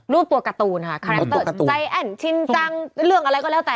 รูปตัวการ์ตูนค่ะใจแอ้นชินจังเรื่องอะไรก็แล้วแต่